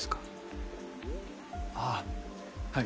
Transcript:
ああはい。